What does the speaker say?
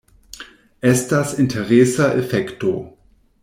Estas interesa efekto.